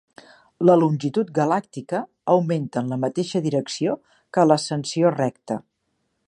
La longitud galàctica augmenta en la mateixa direcció que l'ascensió recta.